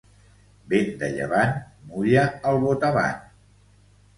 Vent de llevant mulla el botavant.